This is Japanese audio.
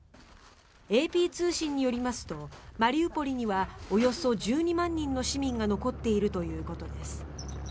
ＡＰ通信によりますとマリウポリにはおよそ１２万人の市民が残っているということです。